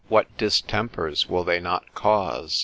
what distempers will they not cause?